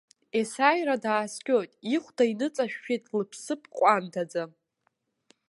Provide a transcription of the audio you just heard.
Есааира дааскьоит, ихәда иныҵашәшәеит лыԥсыԥ ҟәандаӡа.